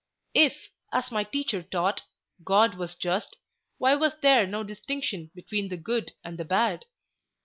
If, as my teacher taught, God was just, why was there no distinction between the good and the bad?